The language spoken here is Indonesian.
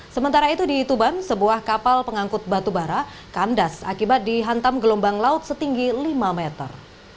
sementara itu di tuban sebuah kapal pengangkut batu bara kandas akibat dihantam gelombang laut setinggi lima meter